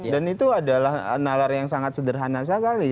dan itu adalah nalar yang sangat sederhana sekali